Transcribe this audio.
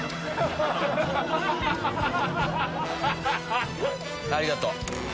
ありがとう。